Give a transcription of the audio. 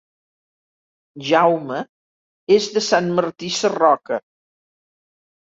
Jaume és de Sant Martí Sarroca